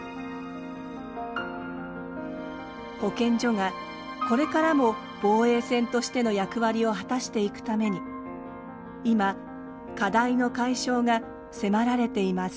保健所がこれからも防衛線としての役割を果たしていくために今課題の解消が迫られています。